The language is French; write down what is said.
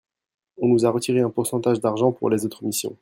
on nous a retiré un pourcentage d'argent pour les autres missions.